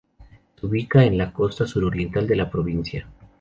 Se ubica en la costa suroriental de la provincia.